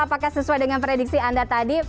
apakah sesuai dengan prediksi anda tadi